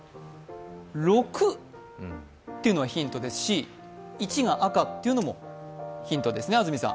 ６っていうのがヒントですし１が赤というのもヒントですね、安住さん。